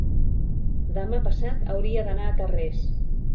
demà passat hauria d'anar a Tarrés.